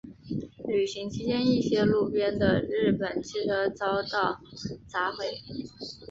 游行期间一些路边的日本汽车遭到砸毁。